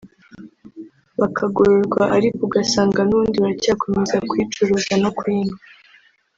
bakagororwa ariko ugasanga n’ubundi baracyakomeza kuyicuruza no kuyinywa